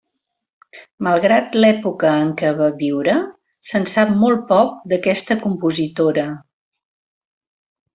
Malgrat l'època en què va viure, se'n sap molt poc d'aquesta compositora.